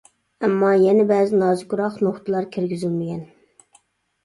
ئەمما يەنە بەزى نازۇكراق نۇقتىلار كىرگۈزۈلمىگەن.